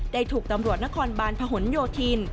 ถูกตำรวจนครบาลพหนโยธิน